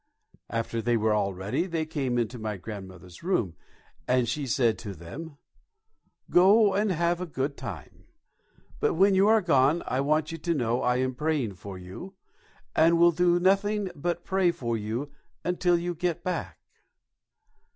After they were all ready they came into my grandmother's room, and she said to them, "Go and have a good time, but while you are gone I want you to know I am praying for you and will do nothing but pray for you until you get back."